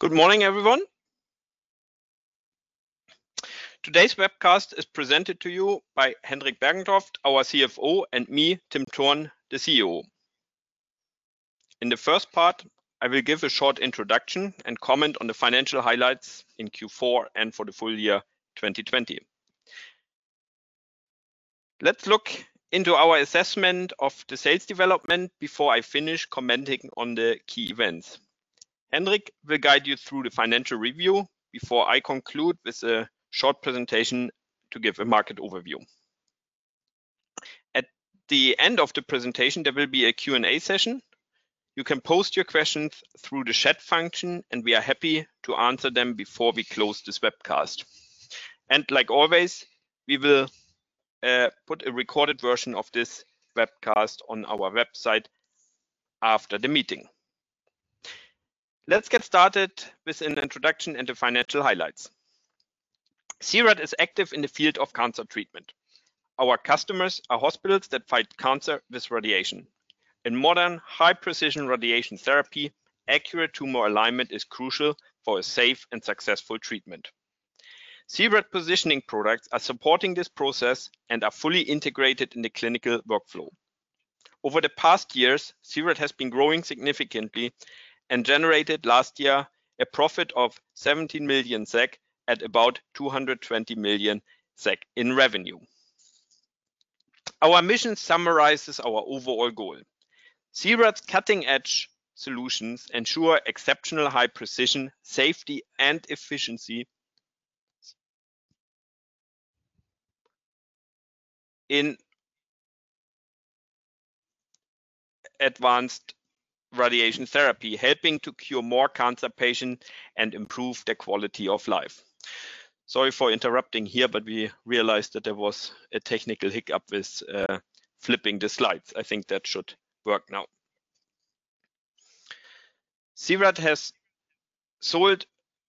Good morning, everyone. Today's webcast is presented to you by Henrik Bergentoft, our CFO, and me, Tim Thurn, the CEO. In the first part, I will give a short introduction and comment on the financial highlights in Q4 and for the full year 2020. Let's look into our assessment of the sales development before I finish commenting on the key events. Henrik will guide you through the financial review before I conclude with a short presentation to give a market overview. At the end of the presentation, there will be a Q&A session. You can post your questions through the chat function, we are happy to answer them before we close this webcast. Like always, we will put a recorded version of this webcast on our website after the meeting. Let's get started with an introduction and the financial highlights. C-RAD is active in the field of cancer treatment. Our customers are hospitals that fight cancer with radiation. In modern, high-precision radiation therapy, accurate tumor alignment is crucial for a safe and successful treatment. C-RAD positioning products are supporting this process and are fully integrated in the clinical workflow. Over the past years, C-RAD has been growing significantly and generated last year a profit of 17 million SEK at about 220 million SEK in revenue. Our mission summarizes our overall goal. C-RAD's cutting-edge solutions ensure exceptional high precision, safety, and efficiency in advanced radiation therapy, helping to cure more cancer patients and improve their quality of life. Sorry for interrupting here, we realized that there was a technical hiccup with flipping the slides. I think that should work now. C-RAD has sold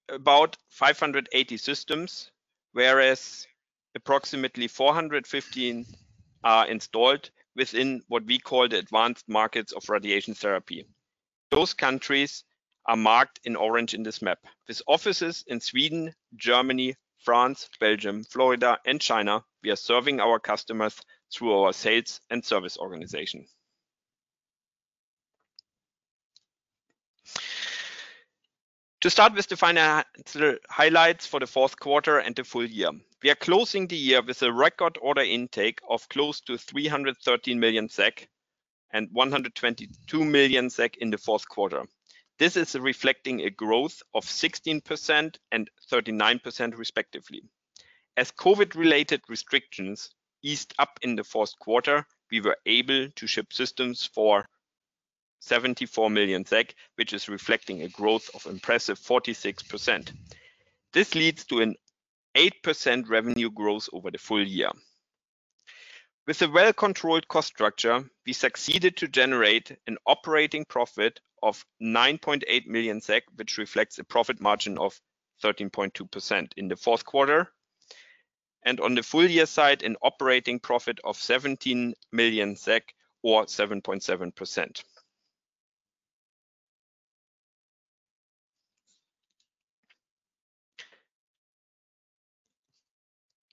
about 580 systems, whereas approximately 415 are installed within what we call the advanced markets of radiation therapy. Those countries are marked in orange on this map. With offices in Sweden, Germany, France, Belgium, Florida, and China, we are serving our customers through our sales and service organization. To start with the financial highlights for the fourth quarter and the full year. We are closing the year with a record order intake of close to 313 million SEK and 122 million SEK in the fourth quarter. This is reflecting a growth of 16% and 39% respectively. As COVID-related restrictions eased up in the fourth quarter, we were able to ship systems for 74 million SEK, which is reflecting a growth of impressive 46%. This leads to an 8% revenue growth over the full year. With a well-controlled cost structure, we succeeded to generate an operating profit of 9.8 million SEK, which reflects a profit margin of 13.2% in the fourth quarter, and on the full year side, an operating profit of 17 million SEK or 7.7%.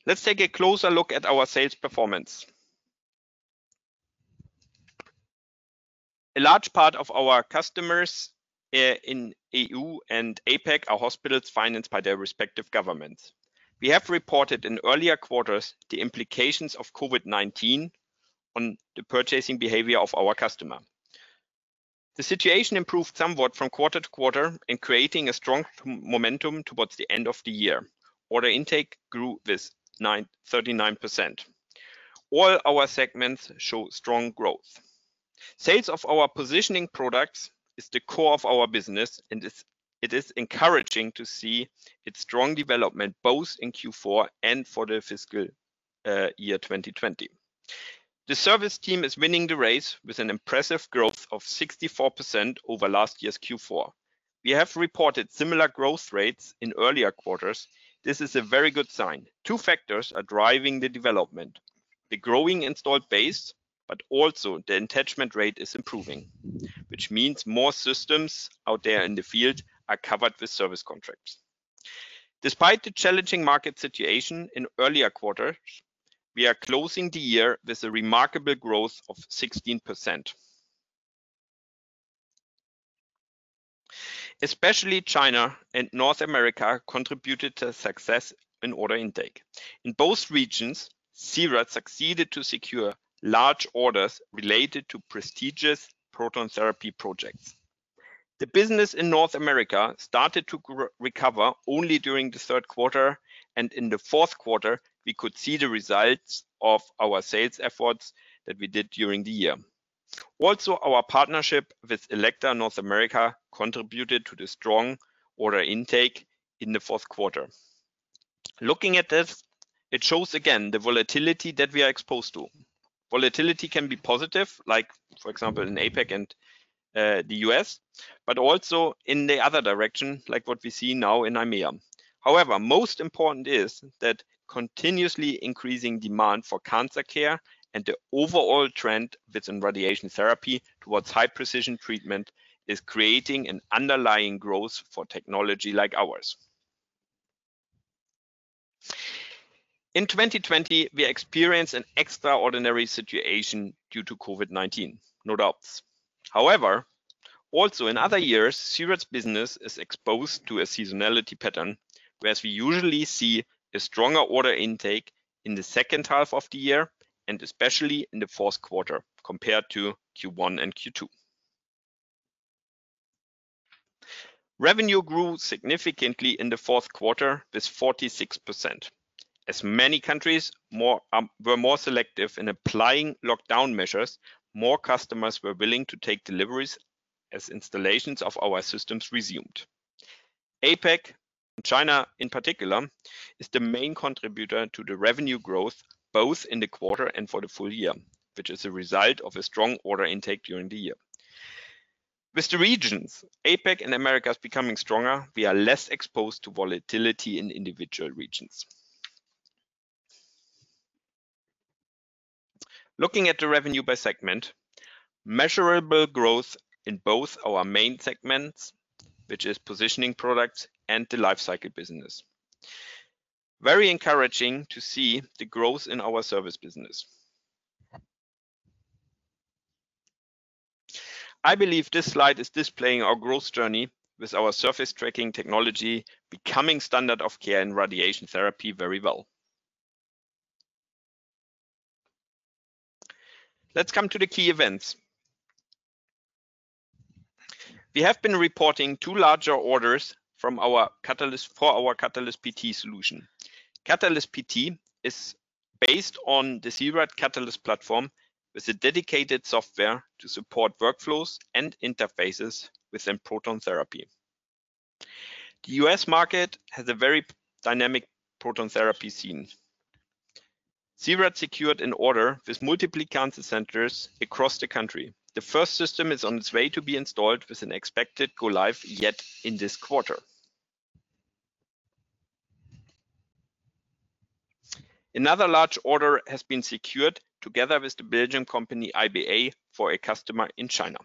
Let's take a closer look at our sales performance. A large part of our customers in EU and APAC are hospitals financed by their respective governments. We have reported in earlier quarters the implications of COVID-19 on the purchasing behavior of our customer. The situation improved somewhat from quarter to quarter in creating a strong momentum towards the end of the year. Order intake grew with 39%. All our segments show strong growth. Sales of our positioning products is the core of our business, and it is encouraging to see its strong development both in Q4 and for the fiscal year 2020. The service team is winning the race with an impressive growth of 64% over last year's Q4. We have reported similar growth rates in earlier quarters. This is a very good sign. Two factors are driving the development, the growing installed base, but also the attachment rate is improving, which means more systems out there in the field are covered with service contracts. Despite the challenging market situation in earlier quarters, we are closing the year with a remarkable growth of 16%. Especially China and North America contributed to success in order intake. In both regions, C-RAD succeeded to secure large orders related to prestigious proton therapy projects. The business in North America started to recover only during the third quarter, and in the fourth quarter, we could see the results of our sales efforts that we did during the year. Our partnership with Elekta North America contributed to the strong order intake in the fourth quarter. Looking at this, it shows again the volatility that we are exposed to. Volatility can be positive, like for example, in APAC and the U.S. Also in the other direction, like what we see now in EMEA. Most important is that continuously increasing demand for cancer care and the overall trend within radiation therapy towards high-precision treatment is creating an underlying growth for technology like ours. In 2020, we experienced an extraordinary situation due to COVID-19. No doubts. Also in other years, C-RAD's business is exposed to a seasonality pattern, whereas we usually see a stronger order intake in the second half of the year, and especially in the fourth quarter compared to Q1 and Q2. Revenue grew significantly in the fourth quarter with 46%. As many countries were more selective in applying lockdown measures, more customers were willing to take deliveries as installations of our systems resumed. APAC, and China in particular, is the main contributor to the revenue growth both in the quarter and for the full year, which is a result of a strong order intake during the year. With the regions APAC and Americas becoming stronger, we are less exposed to volatility in individual regions. Looking at the revenue by segment, measurable growth in both our main segments, which is positioning products and the lifecycle business. Very encouraging to see the growth in our service business. I believe this slide is displaying our growth journey with our surface tracking technology becoming standard of care in radiation therapy very well. Let's come to the key events. We have been reporting two larger orders for our Catalyst PT solution. Catalyst PT is based on the C-RAD Catalyst platform with a dedicated software to support workflows and interfaces within proton therapy. The U.S. market has a very dynamic proton therapy scene. C-RAD secured an order with multiple cancer centers across the country. The first system is on its way to be installed with an expected go live yet in this quarter. Another large order has been secured together with the Belgian company IBA for a customer in China.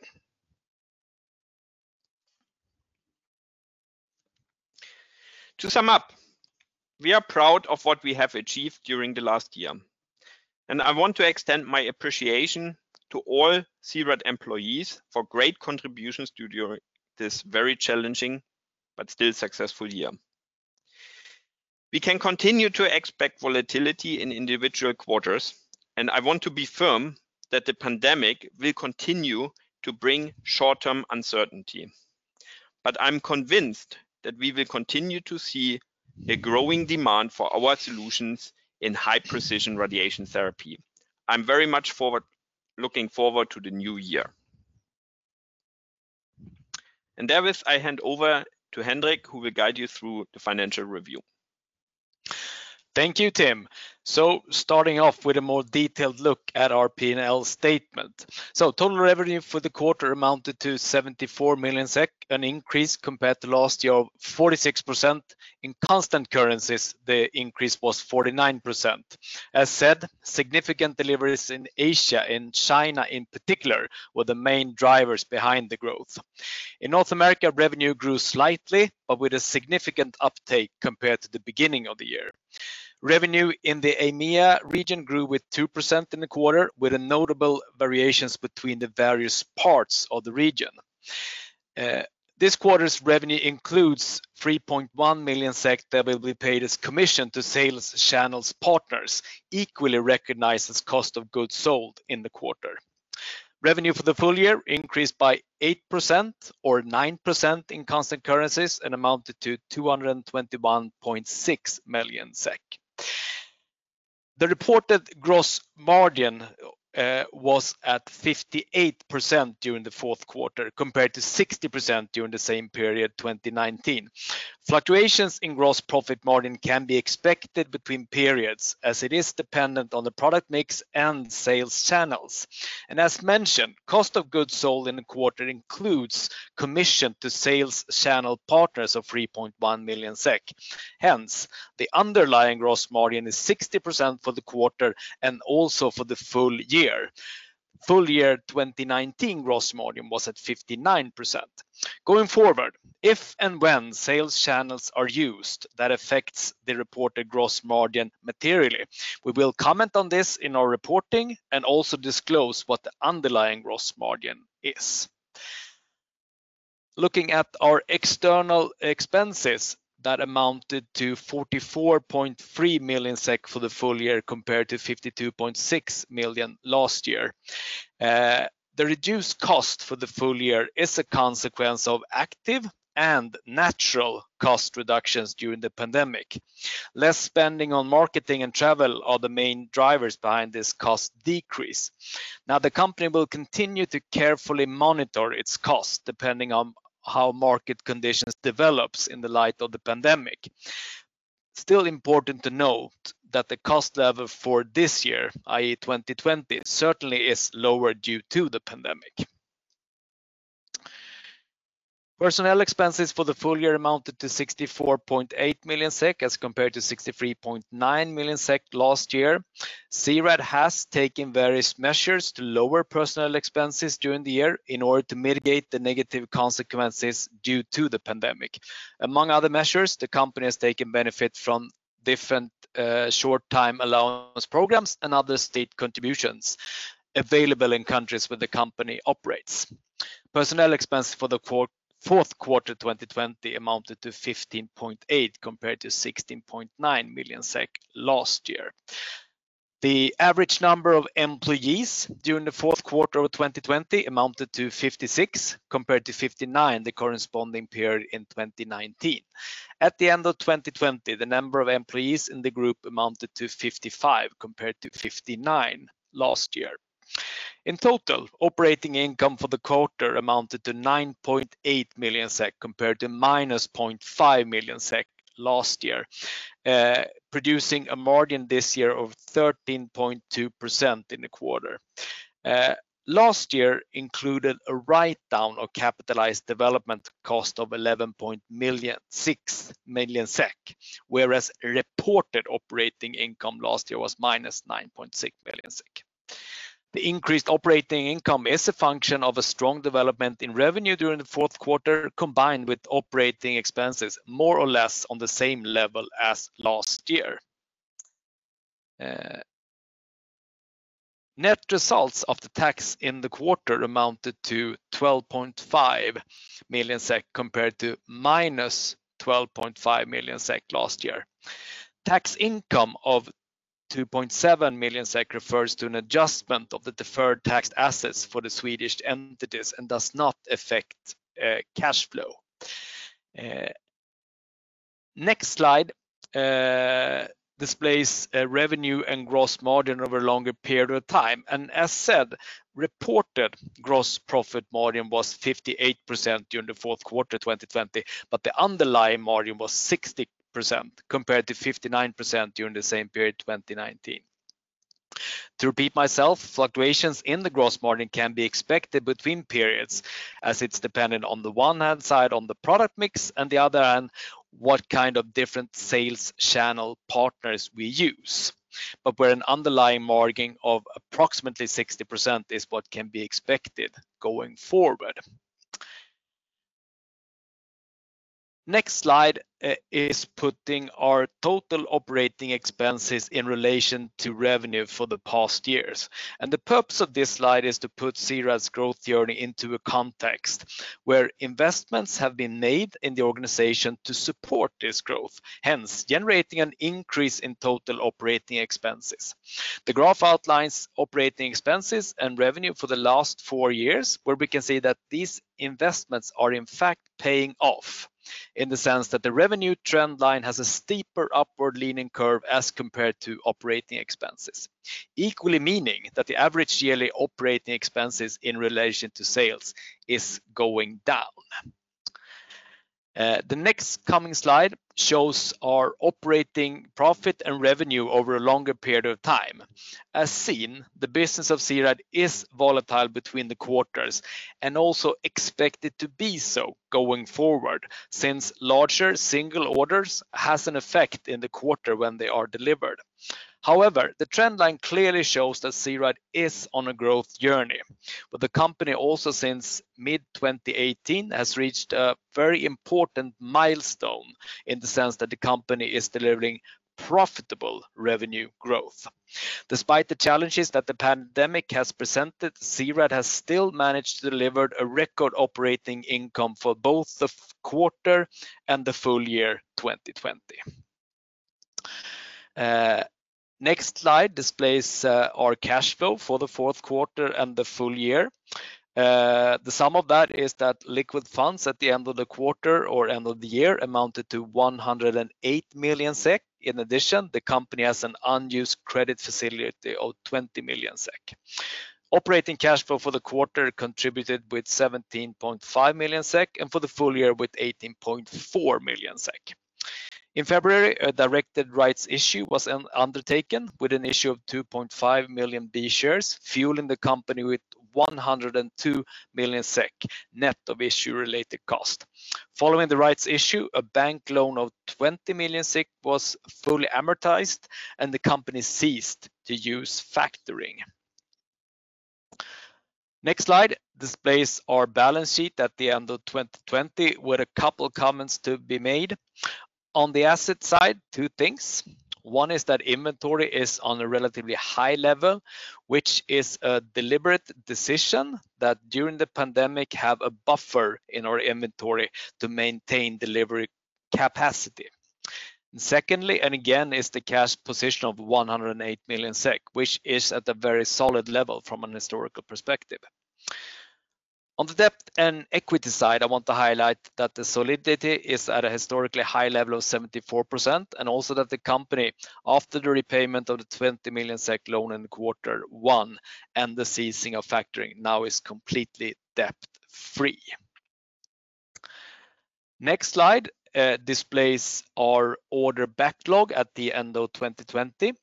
To sum up, we are proud of what we have achieved during the last year, and I want to extend my appreciation to all C-RAD employees for great contributions during this very challenging but still successful year. We can continue to expect volatility in individual quarters, and I want to be firm that the pandemic will continue to bring short-term uncertainty. I'm convinced that we will continue to see a growing demand for our solutions in high-precision radiation therapy. I'm very much looking forward to the new year. With that, I hand over to Henrik, who will guide you through the financial review. Thank you, Tim. Starting off with a more detailed look at our P&L statement. Total revenue for the quarter amounted to 74 million SEK, an increase compared to last year of 46%. In constant currencies, the increase was 49%. As said, significant deliveries in Asia and China in particular were the main drivers behind the growth. In North America, revenue grew slightly, but with a significant uptake compared to the beginning of the year. Revenue in the EMEA region grew with 2% in the quarter, with notable variations between the various parts of the region. This quarter's revenue includes 3.1 million SEK that will be paid as commission to sales channels partners, equally recognized as cost of goods sold in the quarter. Revenue for the full year increased by 8%, or 9% in constant currencies, and amounted to 221.6 million SEK. The reported gross margin was at 58% during the fourth quarter, compared to 60% during the same period 2019. Fluctuations in gross profit margin can be expected between periods as it is dependent on the product mix and sales channels. As mentioned, cost of goods sold in the quarter includes commission to sales channel partners of 3.1 million SEK. Hence, the underlying gross margin is 60% for the quarter and also for the full year. Full year 2019 gross margin was at 59%. Going forward, if and when sales channels are used, that affects the reported gross margin materially. We will comment on this in our reporting and also disclose what the underlying gross margin is. Looking at our external expenses, that amounted to 44.3 million SEK for the full year compared to 52.6 million last year. The reduced cost for the full year is a consequence of active and natural cost reductions during the pandemic. Less spending on marketing and travel are the main drivers behind this cost decrease. The company will continue to carefully monitor its cost depending on how market conditions develops in the light of the pandemic. Important to note that the cost level for this year, i.e., 2020, certainly is lower due to the pandemic. Personnel expenses for the full year amounted to 64.8 million SEK as compared to 63.9 million SEK last year. C-RAD has taken various measures to lower personnel expenses during the year in order to mitigate the negative consequences due to the pandemic. Among other measures, the company has taken benefit from different short-time allowance programs and other state contributions available in countries where the company operates. Personnel expenses for the fourth quarter 2020 amounted to 15.8 compared to 16.9 million SEK last year. The average number of employees during the fourth quarter of 2020 amounted to 56, compared to 59 the corresponding period in 2019. At the end of 2020, the number of employees in the group amounted to 55 compared to 59 last year. In total, operating income for the quarter amounted to 9.8 million SEK, compared to -0.5 million SEK last year, producing a margin this year of 13.2% in the quarter. Last year included a write-down of capitalized development cost of 11.6 million SEK, whereas reported operating income last year was -9.6 million SEK. The increased operating income is a function of a strong development in revenue during the fourth quarter, combined with operating expenses more or less on the same level as last year. Net results of the tax in the quarter amounted to 12.5 million SEK, compared to -12.5 million SEK last year. Tax income of 2.7 million SEK refers to an adjustment of the deferred tax assets for the Swedish entities and does not affect cash flow. Next slide displays revenue and gross margin over a longer period of time. As said, reported gross profit margin was 58% during the fourth quarter 2020, but the underlying margin was 60%, compared to 59% during the same period 2019. To repeat myself, fluctuations in the gross margin can be expected between periods as it's dependent on the one hand side on the product mix and the other hand, what kind of different sales channel partners we use. Where an underlying margin of approximately 60% is what can be expected going forward. Next slide is putting our total operating expenses in relation to revenue for the past years. The purpose of this slide is to put C-RAD's growth journey into a context where investments have been made in the organization to support this growth, hence generating an increase in total operating expenses. The graph outlines operating expenses and revenue for the last four years, where we can see that these investments are in fact paying off in the sense that the revenue trend line has a steeper upward leaning curve as compared to operating expenses. Equally meaning that the average yearly operating expenses in relation to sales is going down. The next coming slide shows our operating profit and revenue over a longer period of time. As seen, the business of C-RAD is volatile between the quarters and also expected to be so going forward, since larger single orders has an effect in the quarter when they are delivered. However, the trend line clearly shows that C-RAD is on a growth journey, but the company also since mid-2018 has reached a very important milestone in the sense that the company is delivering profitable revenue growth. Despite the challenges that the pandemic has presented, C-RAD has still managed to deliver a record operating income for both the quarter and the full year 2020. Next slide displays our cash flow for the fourth quarter and the full year. The sum of that is that liquid funds at the end of the quarter or end of the year amounted to 108 million SEK. In addition, the company has an unused credit facility of 20 million SEK. Operating cash flow for the quarter contributed with 17.5 million SEK and for the full year with 18.4 million SEK. In February, a directed rights issue was undertaken with an issue of 2.5 million B shares, fueling the company with 102 million SEK, net of issue-related cost. Following the rights issue, a bank loan of 20 million SEK was fully amortized and the company ceased to use factoring. Next slide displays our balance sheet at the end of 2020 with a couple comments to be made. On the asset side, two things. One is that inventory is on a relatively high level, which is a deliberate decision that during the pandemic have a buffer in our inventory to maintain delivery capacity. Secondly, and again, is the cash position of 108 million SEK, which is at a very solid level from an historical perspective. On the debt and equity side, I want to highlight that the solidity is at a historically high level of 74% and also that the company, after the repayment of the 20 million SEK loan in quarter one and the ceasing of factoring, now is completely debt-free. Next slide displays our order backlog at the end of 2020.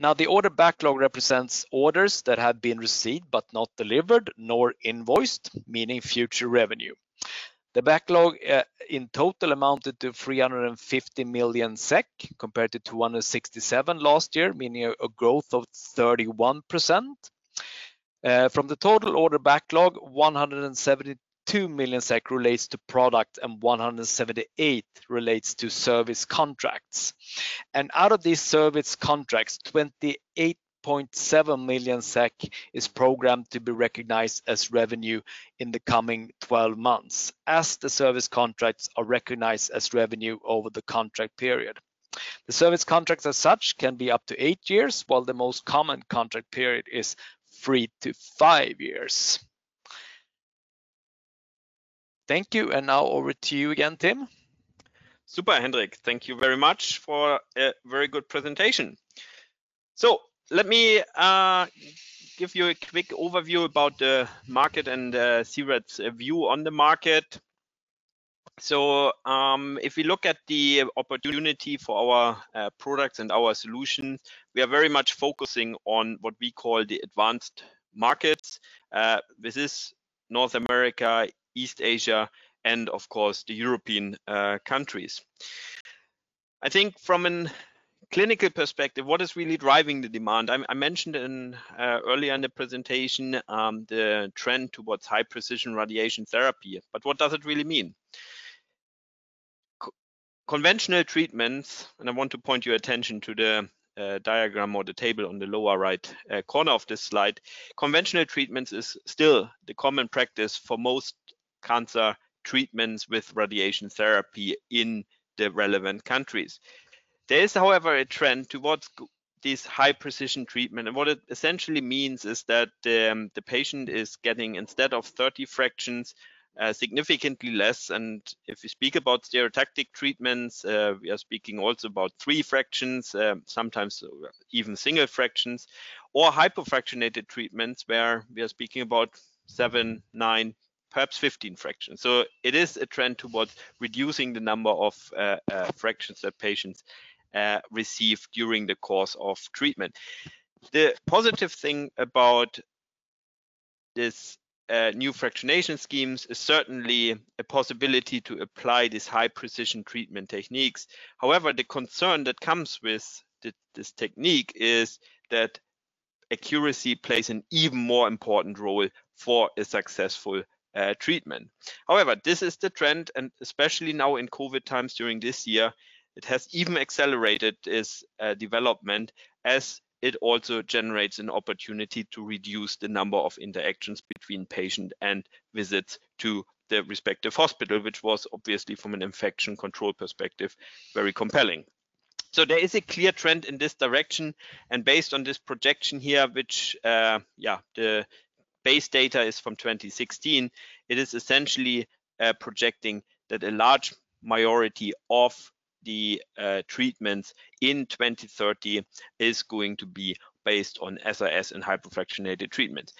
Now, the order backlog represents orders that have been received but not delivered nor invoiced, meaning future revenue. The backlog in total amounted to 350 million SEK compared to 267 million last year, meaning a growth of 31%. From the total order backlog, 172 million SEK relates to product and 178 million relates to service contracts. Out of these service contracts, 28.7 million SEK is programmed to be recognized as revenue in the coming 12 months, as the service contracts are recognized as revenue over the contract period. The service contracts as such can be up to eight years, while the most common contract period is three to five years. Thank you. Now over to you again, Tim. Super, Henrik. Thank you very much for a very good presentation. Let me give you a quick overview about the market and C-RAD's view on the market. If we look at the opportunity for our products and our solutions, we are very much focusing on what we call the advanced markets. This is North America, East Asia, and of course, the European countries. I think from a clinical perspective, what is really driving the demand, I mentioned it earlier in the presentation, the trend towards high-precision radiation therapy. What does it really mean? Conventional treatments, I want to point your attention to the diagram or the table on the lower right corner of this slide. Conventional treatments is still the common practice for most cancer treatments with radiation therapy in the relevant countries. There is, however, a trend towards this high-precision treatment. What it essentially means is that the patient is getting, instead of 30 fractions, significantly less. If we speak about stereotactic treatments, we are speaking also about three fractions, sometimes even single fractions or hypofractionated treatments where we are speaking about seven, nine, perhaps 15 fractions. It is a trend towards reducing the number of fractions that patients receive during the course of treatment. The positive thing about this new fractionation schemes is certainly a possibility to apply these high-precision treatment techniques. However, the concern that comes with this technique is that accuracy plays an even more important role for a successful treatment. This is the trend, especially now in COVID times during this year, it has even accelerated its development as it also generates an opportunity to reduce the number of interactions between patient and visits to the respective hospital, which was obviously, from an infection control perspective, very compelling. There is a clear trend in this direction, based on this projection here, which the base data is from 2016, it is essentially projecting that a large minority of the treatments in 2030 is going to be based on SRS and hypofractionated treatments.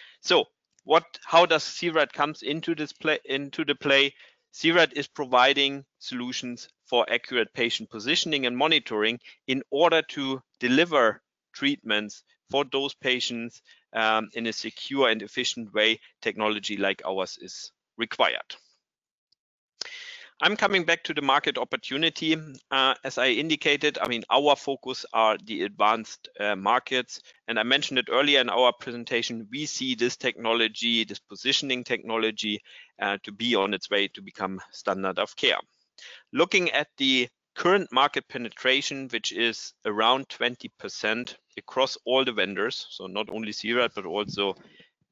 How does C-RAD comes into the play? C-RAD is providing solutions for accurate patient positioning and monitoring in order to deliver treatments for those patients in a secure and efficient way. Technology like ours is required. I'm coming back to the market opportunity. As I indicated, our focus are the advanced markets, and I mentioned it earlier in our presentation, we see this technology, this positioning technology to be on its way to become standard of care. Looking at the current market penetration, which is around 20% across all the vendors, so not only C-RAD, but also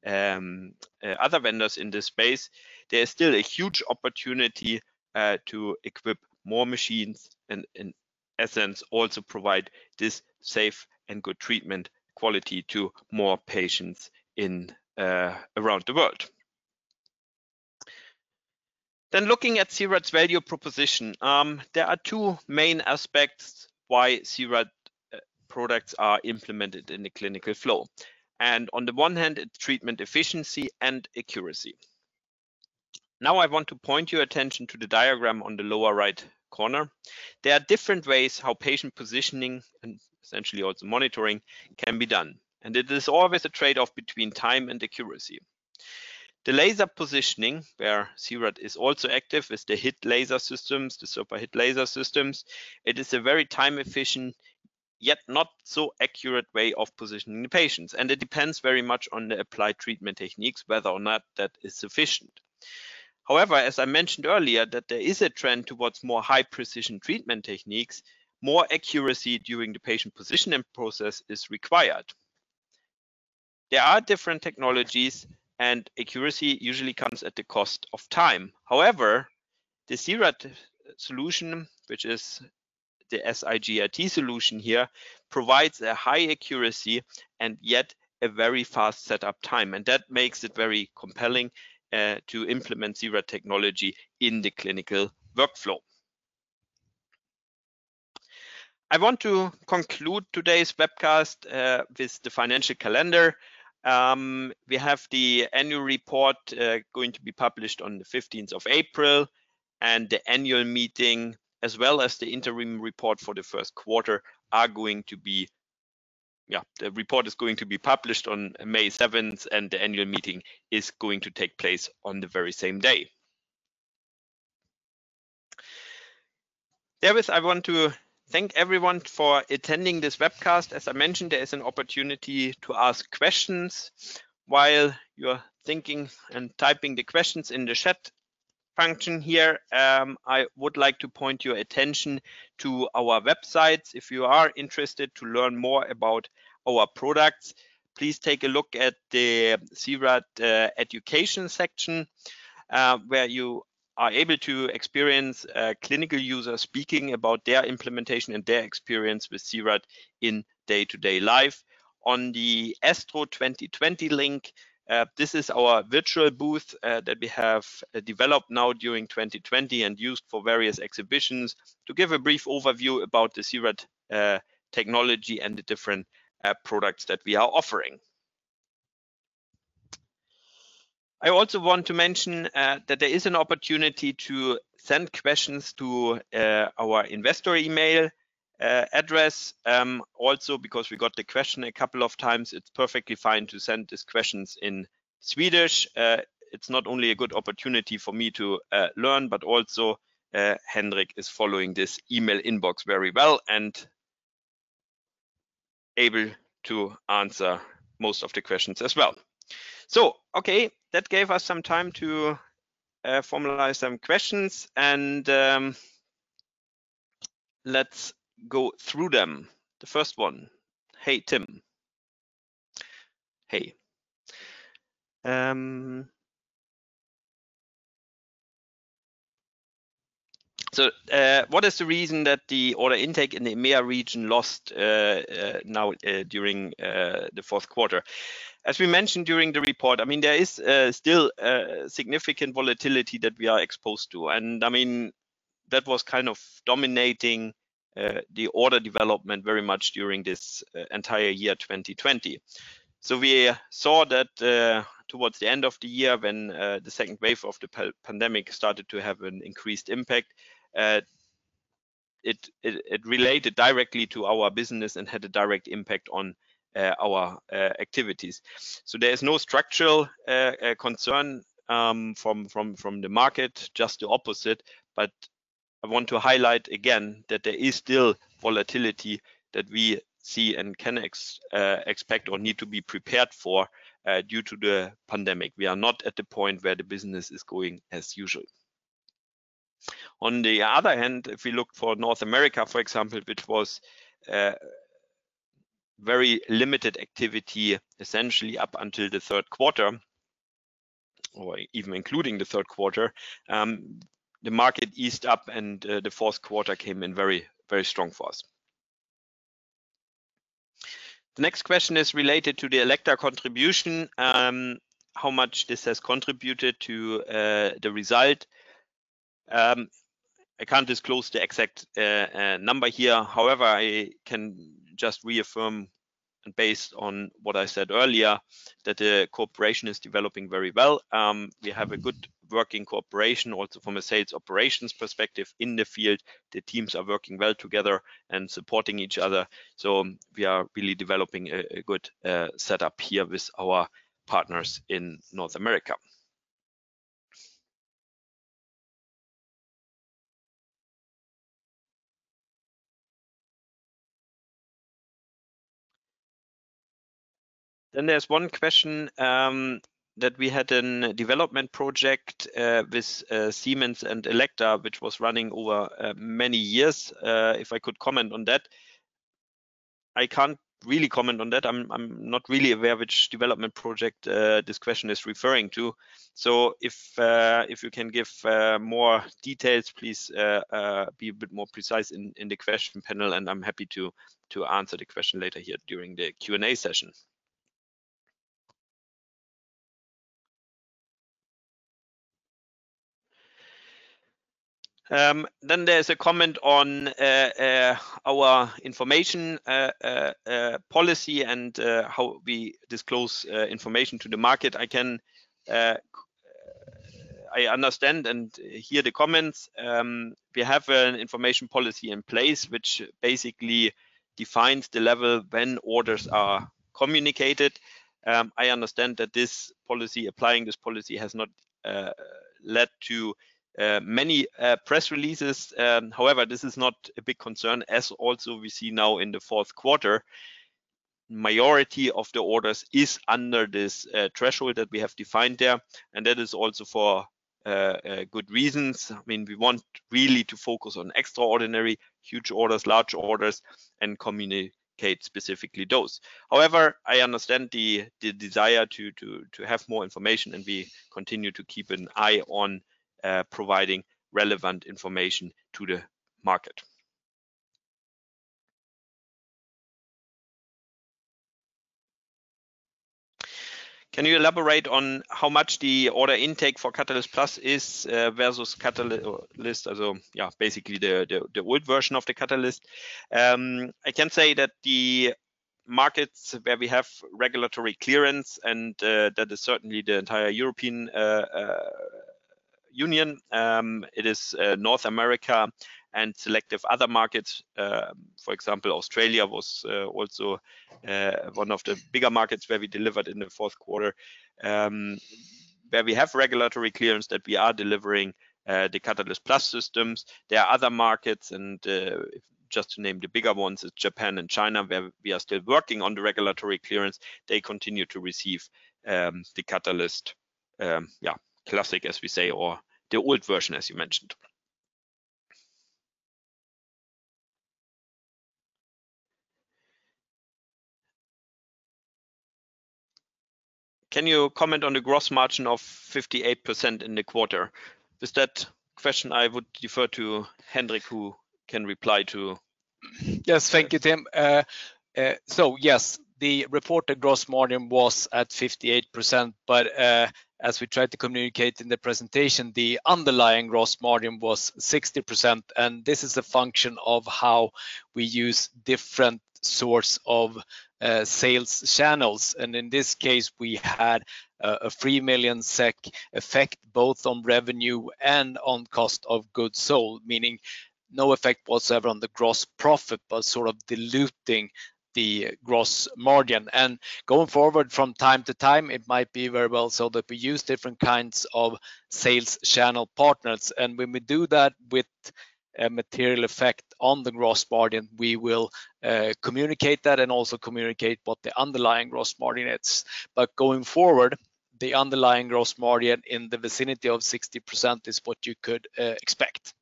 other vendors in this space, there is still a huge opportunity to equip more machines and in essence, also provide this safe and good treatment quality to more patients around the world. Looking at C-RAD's value proposition, there are two main aspects why C-RAD products are implemented in the clinical flow. On the one hand, it's treatment efficiency and accuracy. Now, I want to point your attention to the diagram on the lower right corner. There are different ways how patient positioning and essentially also monitoring can be done. It is always a trade-off between time and accuracy. The laser positioning, where C-RAD is also active, is the HIT laser systems, the SuperHIT laser systems. It is a very time-efficient, yet not so accurate way of positioning the patients, and it depends very much on the applied treatment techniques, whether or not that is sufficient. However, as I mentioned earlier, that there is a trend towards more high-precision treatment techniques, more accuracy during the patient positioning process is required. There are different technologies, and accuracy usually comes at the cost of time. However, the C-RAD solution, which is the SGRT solution here, provides a high accuracy and yet a very fast set-up time. That makes it very compelling to implement C-RAD technology in the clinical workflow. I want to conclude today's webcast with the financial calendar. We have the annual report going to be published on the 15th of April, and the annual meeting as well as the interim report for the first quarter, the report is going to be published on May 7th, and the annual meeting is going to take place on the very same day. I want to thank everyone for attending this webcast. As I mentioned, there is an opportunity to ask questions while you're thinking and typing the questions in the chat function here, I would like to point your attention to our website. If you are interested to learn more about our products, please take a look at the C-RAD education section, where you are able to experience clinical users speaking about their implementation and their experience with C-RAD in day-to-day life. On the ESTRO 2020 link, this is our virtual booth that we have developed now during 2020 and used for various exhibitions to give a brief overview about the C-RAD technology and the different products that we are offering. I also want to mention that there is an opportunity to send questions to our investor email address. Because we got the question a couple of times, it's perfectly fine to send these questions in Swedish. It's not only a good opportunity for me to learn, also Henrik is following this email inbox very well and able to answer most of the questions as well. Okay, that gave us some time to formalize some questions and let's go through them. The first one. "Hey, Tim." Hey. What is the reason that the order intake in the EMEA region lost now during the fourth quarter? As we mentioned during the report, there is still significant volatility that we are exposed to. That was kind of dominating the order development very much during this entire year, 2020. We saw that towards the end of the year, when the second wave of the pandemic started to have an increased impact, it related directly to our business and had a direct impact on our activities. There is no structural concern from the market, just the opposite. I want to highlight again that there is still volatility that we see and can expect or need to be prepared for due to the pandemic. We are not at the point where the business is going as usual. If we look for North America, for example, which was very limited activity, essentially up until the third quarter or even including the third quarter, the market eased up and the fourth quarter came in very, very strong for us. The next question is related to the Elekta contribution, how much this has contributed to the result. I can't disclose the exact number here. I can just reaffirm and based on what I said earlier, that the cooperation is developing very well. We have a good working cooperation also from a sales operations perspective in the field. The teams are working well together and supporting each other. We are really developing a good setup here with our partners in North America. There's one question that we had an development project with Siemens and Elekta, which was running over many years. If I could comment on that. I can't really comment on that. I'm not really aware which development project this question is referring to. If you can give more details, please be a bit more precise in the question panel, and I'm happy to answer the question later here during the Q&A session. There's a comment on our information policy and how we disclose information to the market. I understand and hear the comments. We have an information policy in place which basically defines the level when orders are communicated. I understand that applying this policy has not led to many press releases. This is not a big concern as also we see now in the fourth quarter, majority of the orders is under this threshold that we have defined there, and that is also for good reasons. We want really to focus on extraordinary, huge orders, large orders, and communicate specifically those. However, I understand the desire to have more information, and we continue to keep an eye on providing relevant information to the market. Can you elaborate on how much the order intake for Catalyst Plus is versus Catalyst? Yeah, basically the old version of the Catalyst. I can say that the markets where we have regulatory clearance and that is certainly the entire European Union. It is North America and selective other markets. For example, Australia was also one of the bigger markets where we delivered in the fourth quarter, where we have regulatory clearance that we are delivering the Catalyst⁺ systems. There are other markets, and just to name the bigger ones is Japan and China, where we are still working on the regulatory clearance. They continue to receive the Catalyst classic as we say, or the old version as you mentioned. Can you comment on the gross margin of 58% in the quarter? That question I would defer to Henrik, who can reply to. Yes. Thank you, Tim. Yes, the reported gross margin was at 58%, but as we tried to communicate in the presentation, the underlying gross margin was 60%. This is a function of how we use different source of sales channels. In this case, we had a 3 million SEK effect both on revenue and on cost of goods sold, meaning no effect whatsoever on the gross profit, but sort of diluting the gross margin. Going forward from time to time, it might be very well so that we use different kinds of sales channel partners, and when we do that with a material effect on the gross margin, we will communicate that and also communicate what the underlying gross margin is. Going forward, the underlying gross margin in the vicinity of 60% is what you could expect.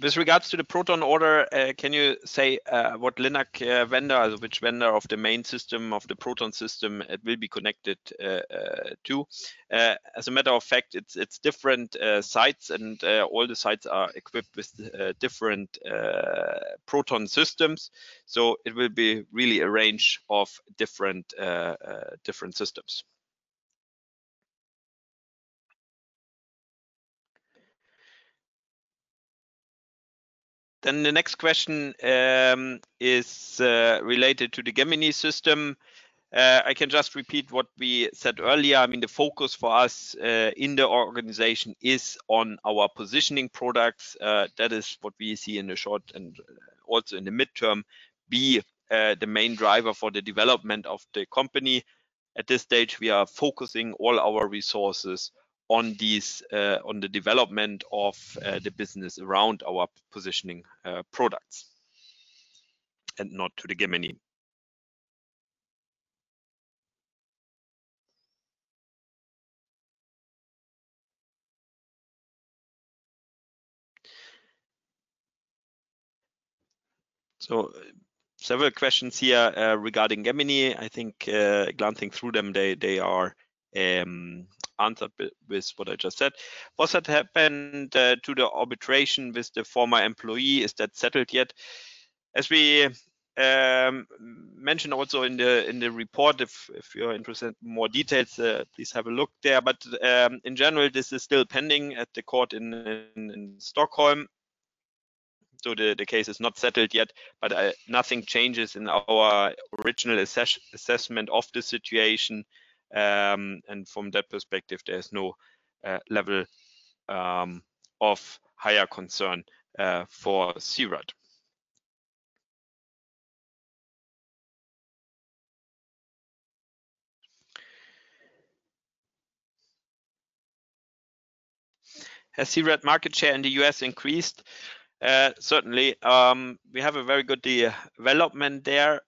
With regards to the proton order, can you say what LINAC vendor, which vendor of the main system of the proton system it will be connected to? As a matter of fact, it's different sites and all the sites are equipped with different proton systems. It will be really a range of different systems. The next question is related to the GEMini system. I can just repeat what we said earlier. The focus for us in the organization is on our positioning products. That is what we see in the short and also in the midterm, be the main driver for the development of the company. At this stage, we are focusing all our resources on the development of the business around our positioning products and not to the GEMini. Several questions here regarding GEMini. I think glancing through them, they are answered with what I just said. What had happened to the arbitration with the former employee, is that settled yet? As we mentioned also in the report, if you're interested in more details, please have a look there. In general, this is still pending at the court in Stockholm. The case is not settled yet, but nothing changes in our original assessment of the situation. From that perspective, there's no level of higher concern for C-RAD. Has C-RAD market share in the U.S. increased? Certainly, we have a very good development there.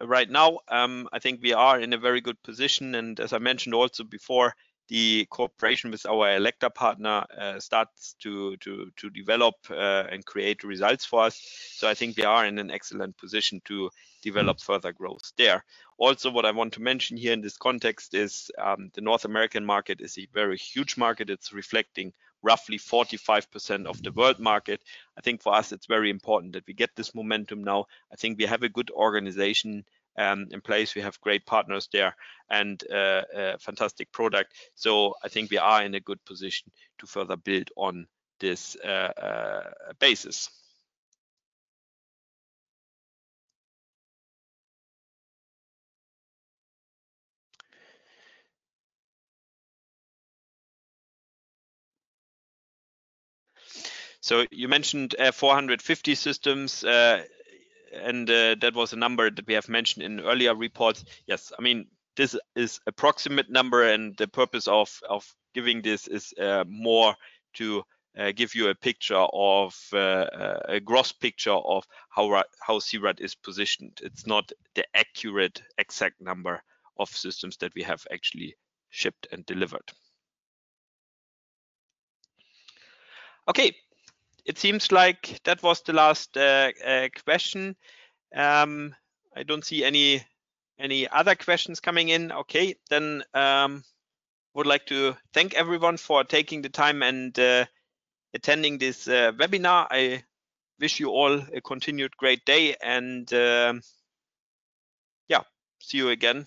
Right now, I think we are in a very good position, and as I mentioned also before, the cooperation with our Elekta partner starts to develop and create results for us. I think we are in an excellent position to develop further growth there. What I want to mention here in this context is the North American market is a very huge market. It's reflecting roughly 45% of the world market. I think for us it's very important that we get this momentum now. I think we have a good organization in place. We have great partners there and a fantastic product. I think we are in a good position to further build on this basis. You mentioned 450 systems, and that was a number that we have mentioned in earlier reports. Yes. This is approximate number, and the purpose of giving this is more to give you a gross picture of how C-RAD is positioned. It's not the accurate, exact number of systems that we have actually shipped and delivered. Okay. It seems like that was the last question. I don't see any other questions coming in. Okay. Would like to thank everyone for taking the time and attending this webinar. I wish you all a continued great day, and see you again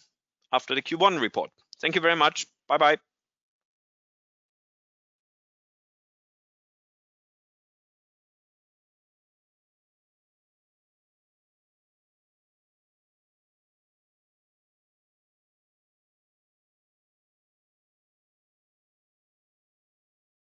after the Q1 report. Thank you very much. Bye-bye.